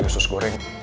putri sus goreng